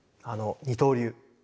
あの二刀流